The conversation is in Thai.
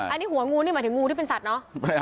อันนี้หัวงูนี่หมายถึงงูที่เป็นสัตว์เนอะ